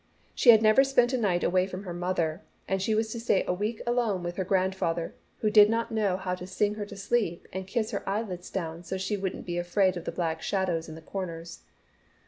She had never spent a night away from her mother, and she was to stay a week alone with her grandfather, who did not know how to sing her to sleep and kiss her eye lids down so she wouldn't be afraid of the black shadows in the corners.